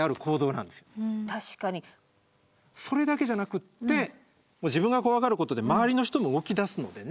それだけじゃなくって自分がこわがることで周りの人も動き出すのでね。